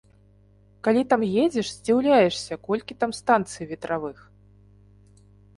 Калі там едзеш, здзіўляешся, колькі там станцый ветравых.